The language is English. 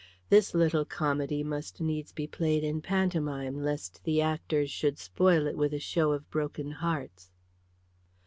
This little comedy must needs be played in pantomime lest the actors should spoil it with a show of broken hearts.